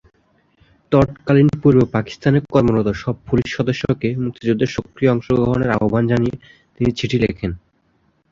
তৎকালীন পূর্ব পাকিস্তানে কর্মরত সব পুলিশ সদস্যকে মুক্তিযুদ্ধে সক্রিয় অংশগ্রহণের আহবান জানিয়ে তিনি চিঠি লেখেন।